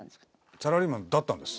サラリーマンだったんです。